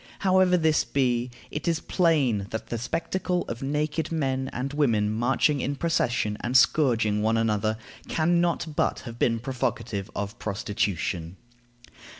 However this be, it is plain that the spectacle of naked men and women marching in procession and scourging one another can not but have been provocative of prostitution.